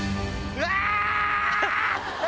うわ！